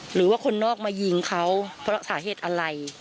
หรือว่าคนนอกมายิงเขาเพราะสาเหตุอะไร